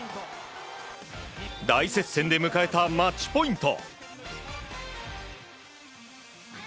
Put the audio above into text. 大接戦で迎えたマッチポイント。